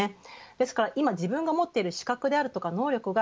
ですから、自分が今持っている資格であるとか能力が